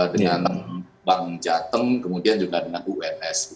dengan bank jateng kemudian juga dengan uns